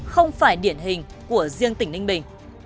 không phải điển hình của riêng tỉnh ninh bình